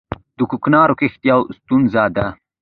د کوکنارو کښت یوه ستونزه ده